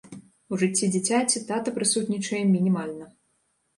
У жыцці дзіцяці тата прысутнічае мінімальна.